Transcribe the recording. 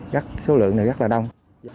chắc số lượng này rất là đông